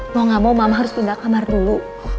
mau gak mau mama harus pindah kamar dulu